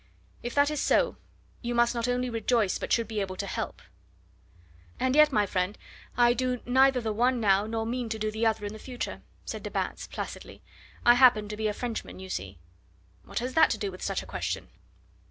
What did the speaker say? "If that is so, you must not only rejoice but should be able to help." "And yet, my friend, I do neither the one now nor mean to do the other in the future," said de Batz placidly. "I happen to be a Frenchman, you see." "What has that to do with such a question?"